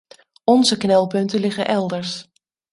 Onze knelpunten liggen elders.